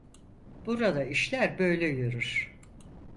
Burada işler böyle yürür.